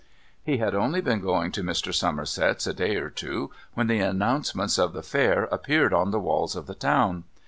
He had only been going to Mr. Somerset's a day or two when the announcements of the Fair appeared on the walls of the town.